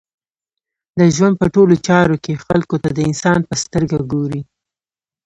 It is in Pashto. د ژوند په ټولو چارو کښي خلکو ته د انسان په سترګه ګورئ!